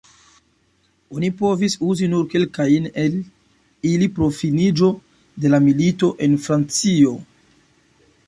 Oni povis uzi nur kelkajn el ili pro finiĝo de la milito, en Francio.